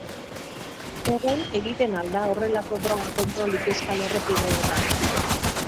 Egun egiten al da horrelako droga kontrolik euskal errepideetan.